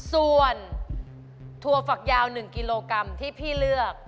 ส่วนถั่วฝักยาว๑กิโลกรัมที่พี่เลือก